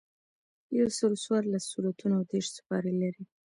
یوسلو څوارلس سورتونه او دېرش سپارې لري.